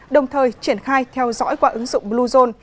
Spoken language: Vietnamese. đồng thời triển khai theo dõi qua ứng dụng bluezone